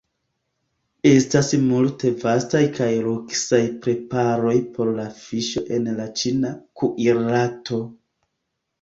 Estas multe vastaj kaj luksaj preparoj por la fiŝo en la ĉina kuirarto.